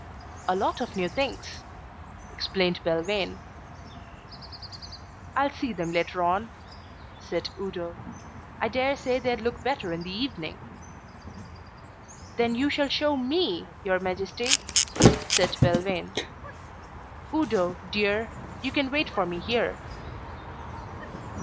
"A lot of new things," explained Belvane. "I'll see them later on," said Udo. "I dare say they'd look better in the evening." "Then you shall show me, your Majesty," said Belvane. "Udo, dear, you can wait for me here."